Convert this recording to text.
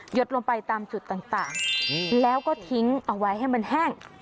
ดลงไปตามจุดต่างแล้วก็ทิ้งเอาไว้ให้มันแห้ง